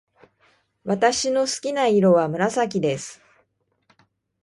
私の好きな色は紫です。